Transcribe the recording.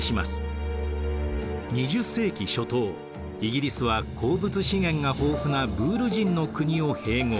２０世紀初頭イギリスは鉱物資源が豊富なブール人の国を併合。